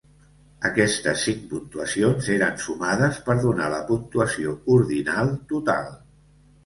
Aquestes cinc puntuacions eren sumades per donar la puntuació ordinal total.